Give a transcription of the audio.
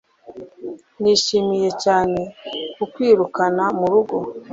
Nishimiye cyane kukwirukana murugo